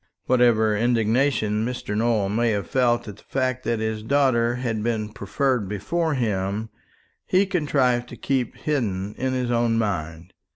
Whatever indignation Mr. Nowell may have felt at the fact that his daughter had been preferred before him, he contrived to keep hidden in his own mind.